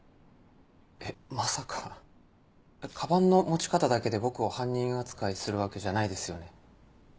えっまさかカバンの持ち方だけで僕を犯人扱いするわけじゃないですよね？